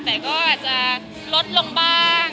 แต่เราก็จะลดลงบ้าง